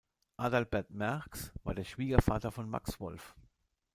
Adalbert Merx war der Schwiegervater von Max Wolf.